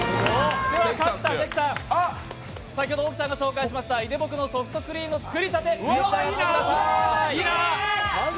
勝った関さん、先ほど大木さんが紹介しましたいでぼくのソフトクリーム、作りたて、召し上がってください。